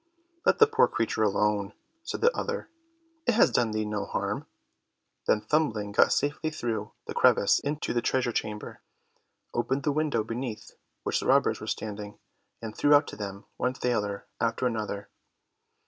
"Let the poor creature alone," said the other; "it has done thee no harm." Then Thumbling got safely through the crevice into the treasure chamber, opened the window beneath which the robbers were standing, and threw out to them one thaler after another.